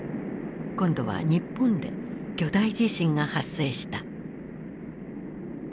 今度は日本で巨大地震が発生した。